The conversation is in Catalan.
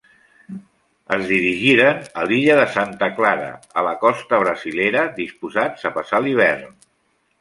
Es dirigiren a l'illa de Santa Clara, a la costa brasilera, disposats a passar l'hivern.